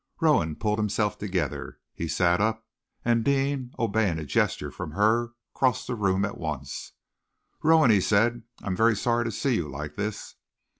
Rowan pulled himself together. He sat up, and Deane, obeying a gesture from her, crossed the room once more. "Rowan," he said, "I am very sorry to see you like this."